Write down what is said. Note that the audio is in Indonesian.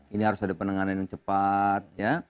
ini harus ada penanganan yang cepat